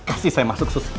kasih saya masuk sus